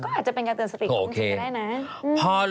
ก็อาจจะเป็นอย่างเตือนสติกของคุณชิมไม่ได้นะ